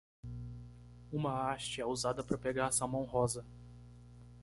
Uma haste é usada para pegar salmão rosa.